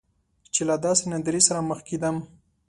چې له داسې نندارې سره مخ کیدم.